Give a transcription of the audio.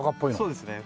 そうですね。